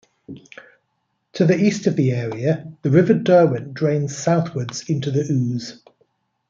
To the east of the area the River Derwent drains southwards into the Ouse.